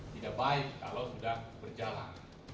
tidak baik kalau sudah berjalan